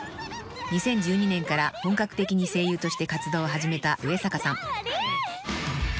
［２０１２年から本格的に声優として活動を始めた上坂さん］